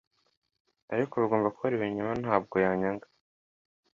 Ariko bigomba kuba ari ibinyoma nyabwo yanyanga